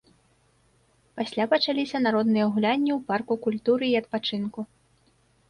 Пасля пачаліся народныя гулянні ў парку культуры і адпачынку.